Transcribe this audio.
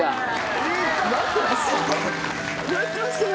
待ってましたよ！